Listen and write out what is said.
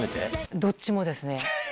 どっちもですね。